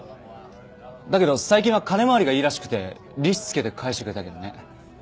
だけど最近は金回りがいいらしくて利子付けて返してくれたけどね。